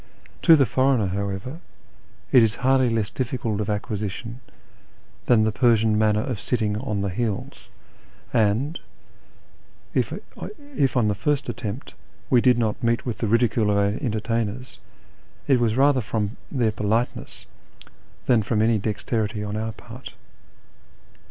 To the foreigner, however, it is hardly less difficult of acquisition than the Persian manner of sitting on the heels ; and if, on this our first attempt, we did not meet with the ridicule of our entertainers, it was rather from their politeness than from any dexterity on our part.